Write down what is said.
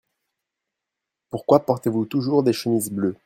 Pourquoi portez-vous toujours des chemises bleues ?